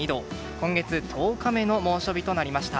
今月１０日目の猛暑日となりました。